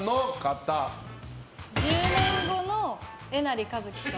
１０年後のえなりかずきさん。